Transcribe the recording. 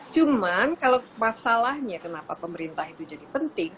cuman kalau masalahnya kenapa pemerintah itu jadi penting